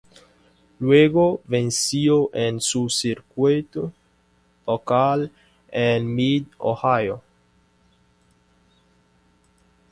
Luego venció en su circuito local en Mid-Ohio.